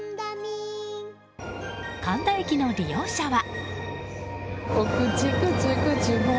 神田駅の利用者は。